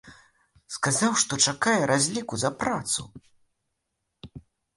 Сказаў, што чакае разліку за працу.